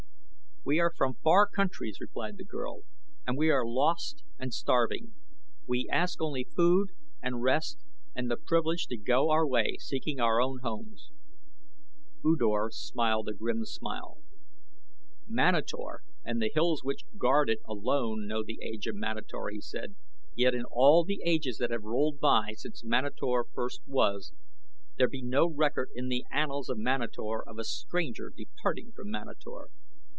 "We are from far countries," replied the girl, "and we are lost and starving. We ask only food and rest and the privilege to go our way seeking our own homes." U Dor smiled a grim smile. "Manator and the hills which guard it alone know the age of Manator," he said; "yet in all the ages that have rolled by since Manator first was, there be no record in the annals of Manator of a stranger departing from Manator."